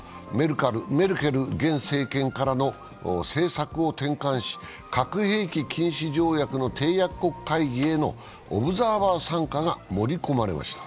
メルケル現政権からの政策を転換し核兵器禁止条約の締約国会議へのオブザーバー参加が盛り込まれました。